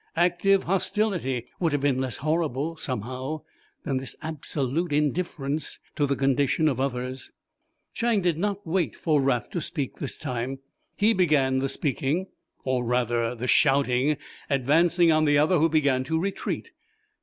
Active hostility would have been less horrible, somehow, than this absolute indifference to the condition of others. Chang did not wait for Raft to speak, this time; he began the speaking, or, rather, the shouting, advancing on the other who began to retreat.